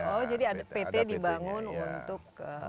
oh jadi ada pt dibangun untuk